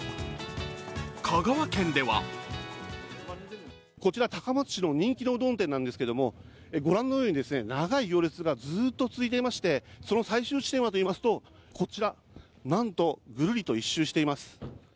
香川県ではこちら高松市の人気のうどん店なんですけどご覧のように長い行列がずーっと続いていましてその最終地点はといいますとこちら、なんとぐるりと１周しています。